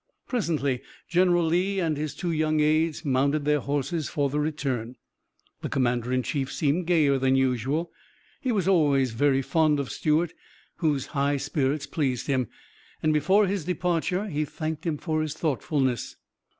Presently General Lee and his two young aides mounted their horses for the return. The commander in chief seemed gayer than usual. He was always very fond of Stuart, whose high spirits pleased him, and before his departure he thanked him for his thoughtfulness.